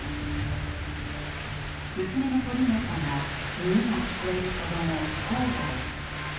娘のポリーナさんは耳が聞こえる子ども「コーダ」です。